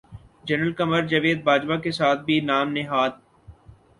general Qamar Javed Bajwa کے ساتھ بھی نام نہاد